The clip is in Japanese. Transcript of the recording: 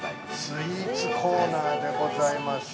◆スイーツコーナーでございます。